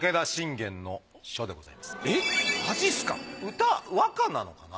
歌和歌なのかな。